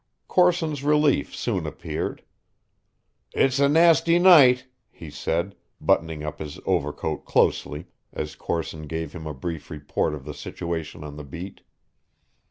Corson's relief soon appeared. "It's a nasty night," he said, buttoning up his overcoat closely, as Corson gave him a brief report of the situation on the beat.